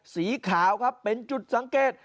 สีขาวเป็นจุดสังเกต